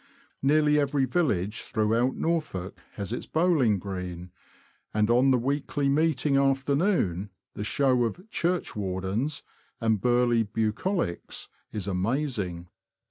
Nearly every village throughout Norfolk has its bowling green, and, on the weekly meeting afternoon, the show of '' churchwardens " and burly bucolics is amazing.